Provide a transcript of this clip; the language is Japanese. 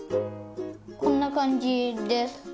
こんなかんじです。